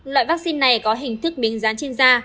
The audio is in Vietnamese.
loại vaccine này có hình thức miếng rán trên da